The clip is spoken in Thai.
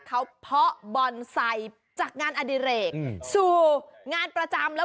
เขาเพาะบอนไซค์จากงานอดิเรกสู่งานประจำแล้ว